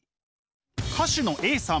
歌手のＡさん。